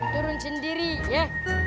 turun sendiri ya